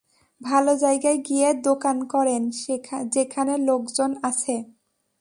ভালো জায়গায় গিয়ে দোকান করেন, যেখানে লোকজন আছে।